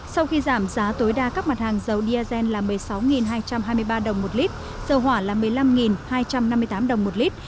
sau khi giảm giá tối đa các mặt hàng dầu diazen là một mươi sáu hai trăm hai mươi ba đồng một lít dầu hỏa là một mươi năm hai trăm năm mươi tám đồng một lít